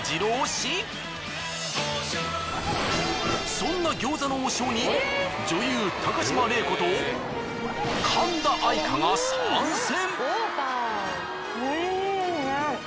そんな餃子の王将に女優高島礼子と神田愛花が参戦。